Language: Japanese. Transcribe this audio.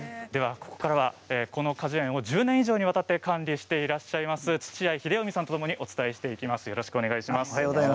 ここからはこの果樹園のほうを１０年以上にわたって管理していらっしゃいます土合英臣さんとともにお伝えしていきます。